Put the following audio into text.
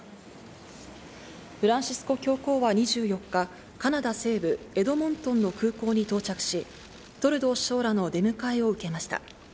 フランシスコ教皇は２４日、カナダ西部エドモントンの空港に到着し、トルドー首相らの出迎えを受けました。